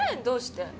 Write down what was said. どうして？